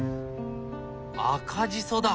赤じそだ。